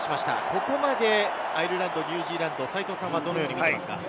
ここまでアイルランドとニュージーランド、どのように見ていますか？